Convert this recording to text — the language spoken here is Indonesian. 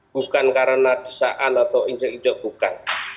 bukan karena bisaan atau injek injek bukan